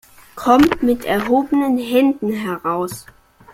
Kommt mit erhobenen Händen heraus!